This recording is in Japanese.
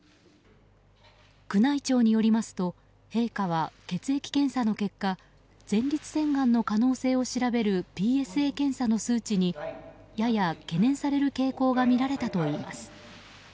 宮内庁によりますと陛下は、血液検査の結果前立腺がんの可能性を調べるＰＳＡ検査の数値にやや懸念される傾向が見られたといいます。